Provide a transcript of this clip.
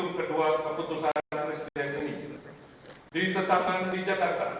lalu kebangsaan indonesia baik